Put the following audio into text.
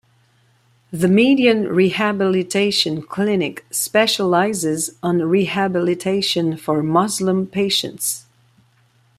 The Median Rehabilitation Clinic specializes on rehabilitation for Muslim patients.